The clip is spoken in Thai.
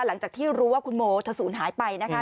หลังจากที่รู้ว่าคุณโมเธอศูนย์หายไปนะคะ